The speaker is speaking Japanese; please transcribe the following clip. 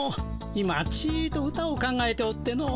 今ちと歌を考えておっての。